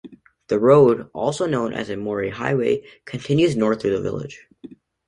The road, also known as Morey Highway, continues north through the village.